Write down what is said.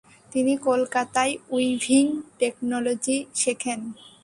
তিনি কলকাতায় weaving technology শেখেন।